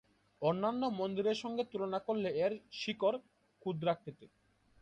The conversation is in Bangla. অন্যান্য মন্দিরের সংগে তুলনা করলে এর "শিখর" ক্ষুদ্রাকৃতির।